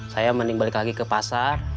saya mending balik lagi ke pasar